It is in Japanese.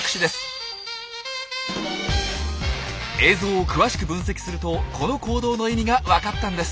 映像を詳しく分析するとこの行動の意味が分かったんです。